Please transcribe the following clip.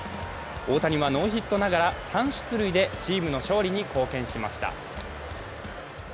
大谷はノーヒットながら３出塁でチームの勝利に貢献しました。